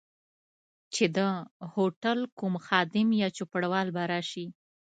چي د هوټل کوم خادم یا چوپړوال به راشي.